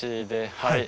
はい。